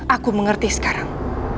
aku mengerti sekarang